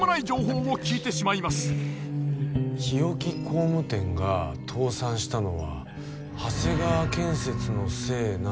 日置工務店が倒産したのは長谷川建設のせいなのではって。